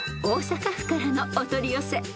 ［大阪府からのお取り寄せ］